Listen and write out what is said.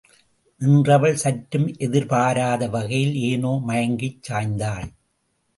நின்றவள், சற்றும் எதிர்பாராத வகையில் ஏனோ மயங்கிச் சாய்ந்தாள்.